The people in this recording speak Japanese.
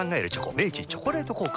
明治「チョコレート効果」